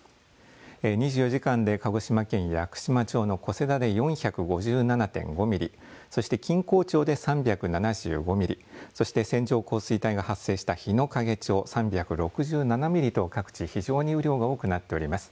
２４時間で鹿児島県屋久島町の小瀬田で４５７．５ミリそして錦江町で３７５ミリそして線状降水帯が発生した日之影町３６７ミリと各地、非常に雨量が多くなっております。